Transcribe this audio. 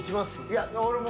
いや俺も。